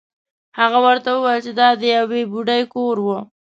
هغه ورته وویل چې دا د یوې بوډۍ کور و.